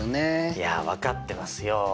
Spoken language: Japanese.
いや分かってますよ！